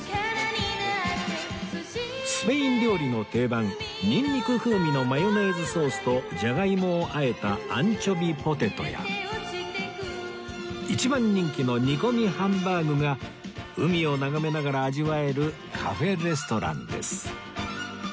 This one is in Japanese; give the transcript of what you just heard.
スペイン料理の定番ニンニク風味のマヨネーズソースとジャガイモを和えたアンチョビポテトや一番人気の煮込みハンバーグが海を眺めながら味わえるカフェレストランです